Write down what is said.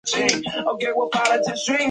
位于利津县西南部。